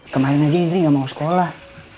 kemarin aja idri gak mau sekolah